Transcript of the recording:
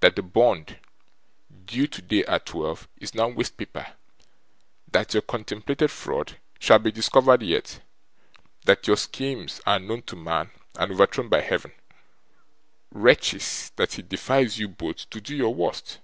That the bond, due today at twelve, is now waste paper. That your contemplated fraud shall be discovered yet. That your schemes are known to man, and overthrown by Heaven. Wretches, that he defies you both to do your worst.